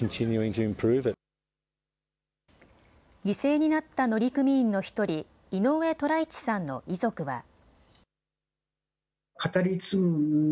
犠牲になった乗組員の１人、井上寅一さんの遺族は。